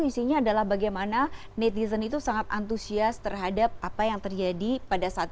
isinya adalah bagaimana netizen itu sangat antusias terhadap apa yang terjadi pada saat